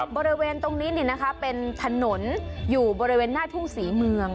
บริเวณตรงนี้เป็นถนนอยู่บริเวณหน้าทุ่งศรีเมือง